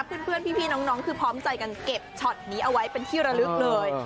เพื่อนพี่น้องคือพร้อมใจกันเก็บช็อตนี้เอาไว้เป็นที่ระลึกเลย